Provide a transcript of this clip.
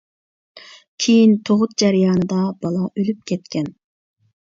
كېيىن تۇغۇت جەريانىدا، بالا ئۆلۈپ كەتكەن.